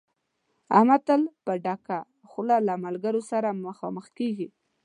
احمد تل په ډکه خوله له ملګرو سره مخامخ کېږي.